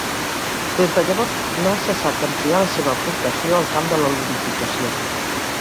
Des de llavors no ha cessat d'ampliar la seva aportació al camp de la ludificació.